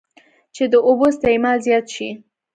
چې د اوبو استعمال زيات شي